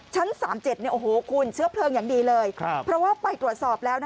ชั้น๓๗โอ้โฮคุณเชื่อเพลิงอย่างดีเลยพอเราไปตรวจสอบแล้วนะคะ